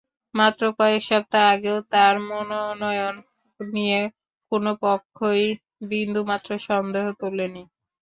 মাত্র কয়েক সপ্তাহ আগেও তাঁর মনোনয়ন নিয়ে কোনো পক্ষই বিন্দুমাত্র সন্দেহ তোলেনি।